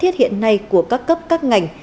thiết hiện nay của các cấp các ngành